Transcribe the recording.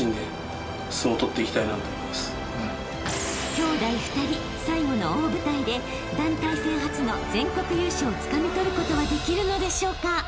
［兄弟２人最後の大舞台で団体戦初の全国優勝をつかみ取ることはできるのでしょうか？］